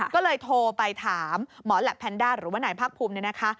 ก็เลยโทรไปถามหมอแหลปแพนด้าหรือว่านายภาคภูมิเนี่ยนะคะ